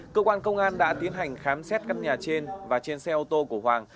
cơ quan công an đã tiến hành khám xét căn nhà trên và trên xe ô tô của hoàng